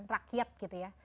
rakyat gitu ya